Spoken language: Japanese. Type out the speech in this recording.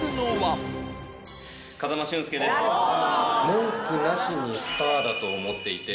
文句なしにスターだと思っていて。